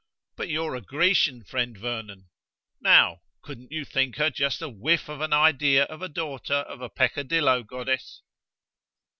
But you're a Grecian, friend Vernon. Now, couldn't you think her just a whiff of an idea of a daughter of a peccadillo Goddess?"